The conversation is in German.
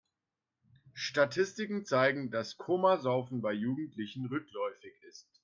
Statistiken zeigen, dass Komasaufen bei Jugendlichen rückläufig ist.